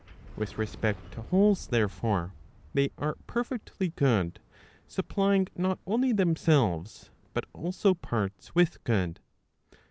With respect to wholes therefore, they are perfectly good, supplying not only themselves, but also parts with good.